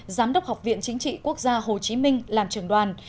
giám đốc học viện chính trị quốc gia hồ chí minh làm trưởng đoàn